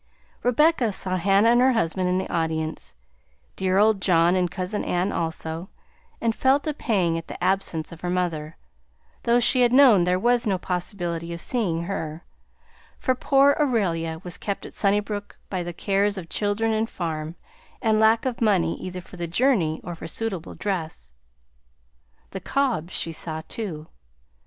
Rebecca saw Hannah and her husband in the audience; dear old John and cousin Ann also, and felt a pang at the absence of her mother, though she had known there was no possibility of seeing her; for poor Aurelia was kept at Sunnybrook by cares of children and farm, and lack of money either for the journey or for suitable dress. The Cobbs she saw too.